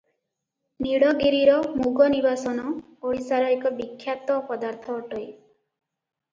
ନୀଳଗିରିର ମୁଗନିବାସନ ଓଡ଼ିଶାର ଏକ ବିଖ୍ୟାତ ପଦାର୍ଥ ଅଟଇ ।